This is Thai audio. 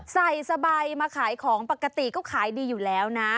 ใส่สบายมาขายของปกติก็ขายดีอยู่แล้วนะ